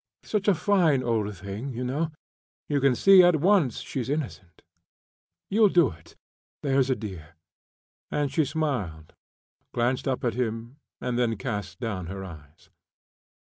Such a fine old thing, you know; you can see at once she's innocent. You'll do it, there's a dear," and she smiled, glanced up at him, and then cast down her eyes.